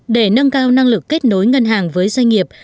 để nâng cao năng lực kết nối ngân hàng với doanh nghiệp